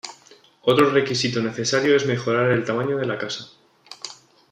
Otro requisito necesario es mejorar el tamaño de la casa.